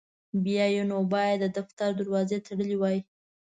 بیا یې نو باید د دفتر دروازې تړلي وای.